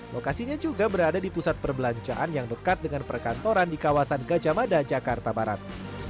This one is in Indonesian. lokasinya juga berada di pusat perbelanjaan yang dekat dengan perkantoran di kawasan gajah mada jakarta barat